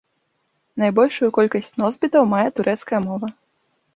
Найбольшую колькасць носьбітаў мае турэцкая мова.